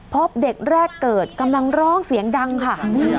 พบเด็กแรกเกิดกำลังร้องเสียงดังค่ะ